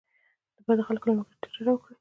د بدو خلکو له ملګرتیا ډډه وکړئ.